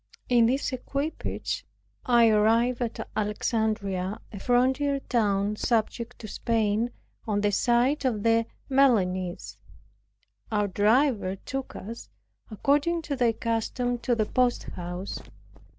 In this equipage I arrived at Alexandria, a frontier town, subject to Spain, on the side of the Milanese. Our driver took us, according to their custom, to the posthouse.